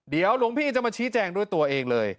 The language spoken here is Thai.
เดี๋ยวหลวงพี่จะมาชี้แจงด้วยตัวเองเลย